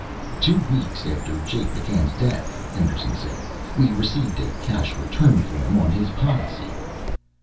"Two weeks after Jafe McCann's death," Henderson said, "we received a cash return form on his policy."